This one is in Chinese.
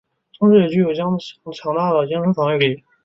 同时也有强大的精神防御力。